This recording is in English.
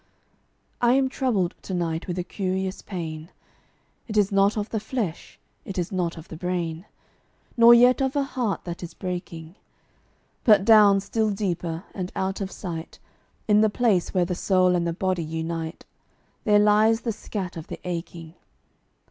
I am troubled to night with a curious pain; It is not of the flesh, it is not of the brain, Nor yet of a heart that is breaking: But down still deeper, and out of sight In the place where the soul and the body unite There lies the scat of the aching.